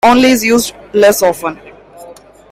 Only is used less often.